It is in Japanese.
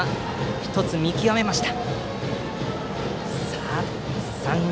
１つ、見極めました。